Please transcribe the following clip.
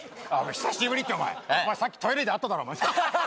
久しぶりってお前さっきトイレで会っただろははははは！